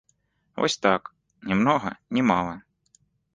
Вось так, ні многа, ні мала.